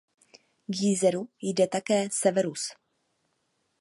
K jezeru jde také Severus.